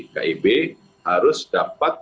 kib harus dapat